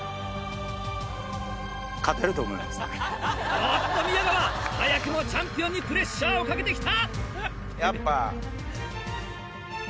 おぉっと宮川早くもチャンピオンにプレッシャーをかけてきた！